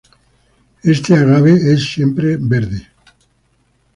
Este "Agave" es siempreverde.